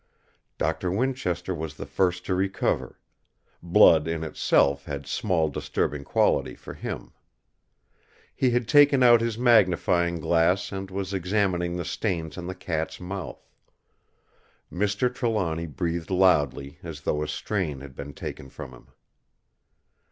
Doctor Winchester was the first to recover; blood in itself had small disturbing quality for him. He had taken out his magnifying glass and was examining the stains on the cat's mouth. Mr. Trelawny breathed loudly, as though a strain had been taken from him.